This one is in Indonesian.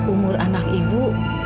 umur anak ibu